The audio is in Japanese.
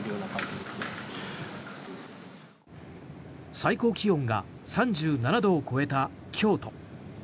最高気温が３７度を超えた京都。